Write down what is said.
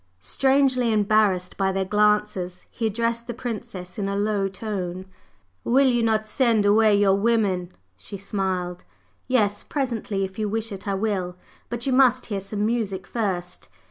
Strangely embarrassed by their glances, he addressed the Princess in a low tone: "Will you not send away your women?" She smiled. "Yes, presently; if you wish it, I will. But you must hear some music first.